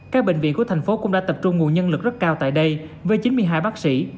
các bệnh viện của thành phố cũng đã tập trung nguồn nhân lực rất cao tại đây với chín mươi hai bác sĩ